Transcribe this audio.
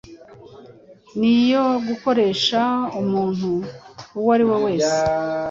ni iyo gukoresha umuntu uwo ari we wese